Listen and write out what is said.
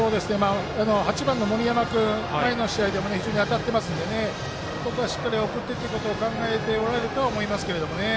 ８番の森山君前の試合でも非常に当たってますのでここはしっかり送ってくることを考えてるとは思いますけどね。